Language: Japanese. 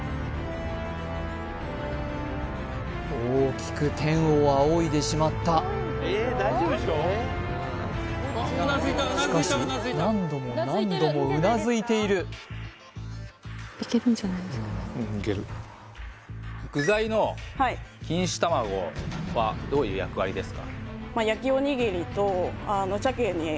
大きく天を仰いでしまったしかし何度も何度もうなずいている具材の錦糸卵はどういう役割ですか？